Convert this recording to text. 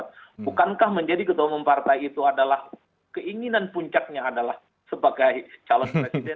untuk bertanding di dua ribu dua puluh empat bukankah menjadi ketua umum partai itu adalah keinginan puncaknya adalah sebagai calon presiden